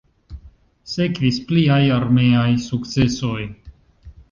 Sekvis pliaj armeaj sukcesoj.